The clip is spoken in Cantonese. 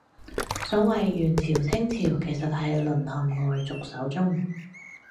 所謂元朝清朝其實係淪陷外族手中